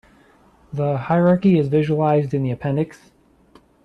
The hierarchy is visualized in the appendix.